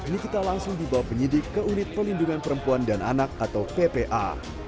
nikita langsung dibawa penyidik ke unit pelindungan perempuan dan anak atau ppa